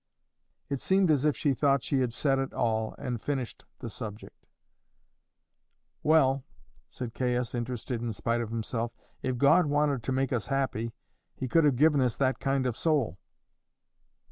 It seemed as if she thought she had said it all and finished the subject. "Well," said Caius, interested in spite of himself, "if God wanted to make us happy, He could have given us that kind of soul."